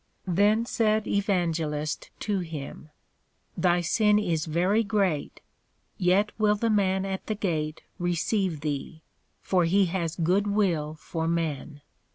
Then said Evangelist to him, Thy sin is very great, yet will the man at the Gate receive thee, for he has good will for men.